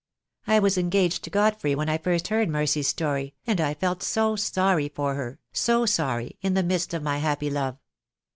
I was engaged to Godfrey when I first heard Mercy's story, and I felt so sorry for her, so sorry, in the midst of my happy love.